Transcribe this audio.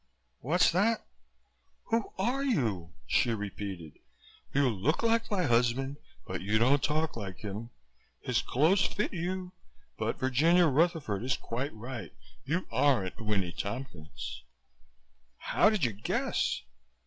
"What's that?" "Who are you?" she repeated. "You look like my husband but you don't talk like him. His clothes fit you but Virginia Rutherford is quite right you aren't Winnie Tompkins." "How did you guess?"